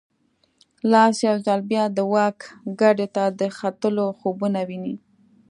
اوس یو ځل بیا د واک ګدۍ ته د ختلو خوبونه ویني.